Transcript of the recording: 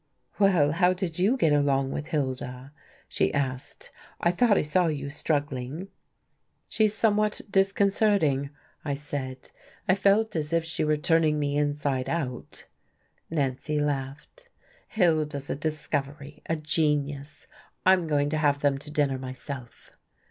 "Well, how did you get along with Hilda?" she asked. "I thought I saw you struggling." "She's somewhat disconcerting," I said. "I felt as if she were turning me inside out." Nancy laughed. "Hilda's a discovery a genius. I'm going to have them to dinner myself."